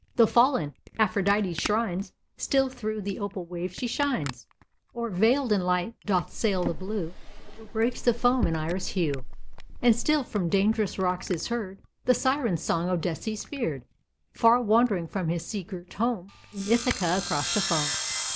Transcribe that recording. Though fallen, Aphrodité's shrines Still through the opal wave she shines, Or, veiled in light doth sail the blue Where breaks the foam in iris hue; And still from dangerous rocks is heard The siren's song Odysseus feared, Far wandering from his sea girt home In Ithaca across the foam.